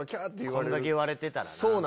こんだけ言われてたらな。